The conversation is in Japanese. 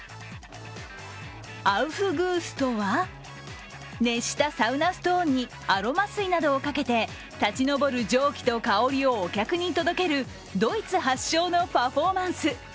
アウフグースとは熱したサウナストーンにアロマ水などをかけて、立ち上る蒸気と香りをお客に届けるドイツ発祥のパフォーマンス。